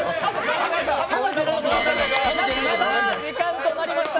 時間となりました。